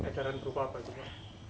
edaran berupa apa juga